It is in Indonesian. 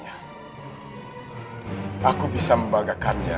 aku bisa membagakannya